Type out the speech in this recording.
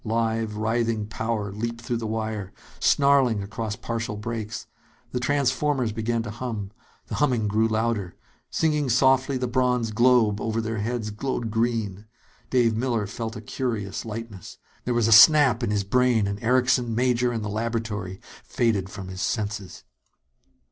Live, writhing power leaped through the wire, snarling across partial breaks. The transformers began to hum. The humming grew louder. Singing softly, the bronze globe over their heads glowed green. Dave Miller felt a curious lightness. There was a snap in his brain, and Erickson, Major and the laboratory faded from his senses.